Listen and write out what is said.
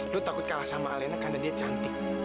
lu takut kalah sama alena karena dia cantik